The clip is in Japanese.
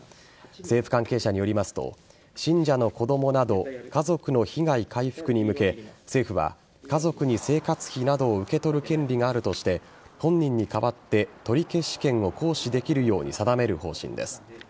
政府関係者によりますと信者の子供など家族の被害回復に向け政府は家族に生活費などを受け取る権利があるとして本人に代わって取消権を行使できるように定める方針です。